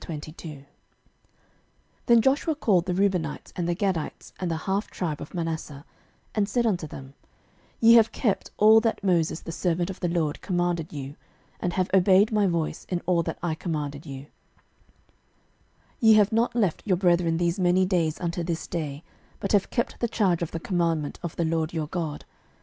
06:022:001 Then Joshua called the Reubenites, and the Gadites, and the half tribe of Manasseh, 06:022:002 And said unto them, Ye have kept all that Moses the servant of the LORD commanded you, and have obeyed my voice in all that I commanded you: 06:022:003 Ye have not left your brethren these many days unto this day, but have kept the charge of the commandment of the LORD your God.